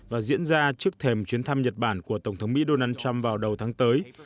và diễn ra trước thềm chuyến thăm nhật bản của tổng thống mỹ donald trump vào đầu tháng tới